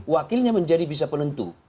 wakilnya menjadi bisa penentu